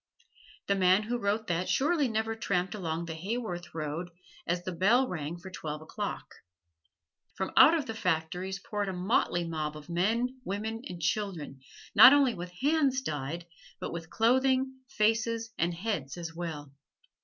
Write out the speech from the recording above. The man who wrote that surely never tramped along the Haworth road as the bell rang for twelve o'clock. From out the factories poured a motley mob of men, women and children, not only with hands dyed, but with clothing, faces and heads as well.